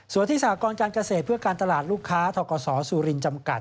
ส่วนที่สหกรการเกษตรเพื่อการตลาดลูกค้าทกศสุรินจำกัด